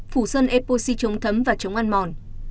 phủ sân epoxy chống thấm và chống ăn mòn